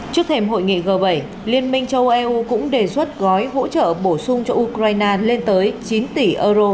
trước thềm hội nghị g bảy liên minh châu eu cũng đề xuất gói hỗ trợ bổ sung cho ukraine lên tới chín tỷ euro